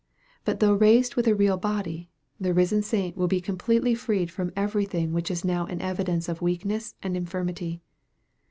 But though raised with a real body, the risen saint will be completely freed from every thing which is now an evidence of weakness and infirmity.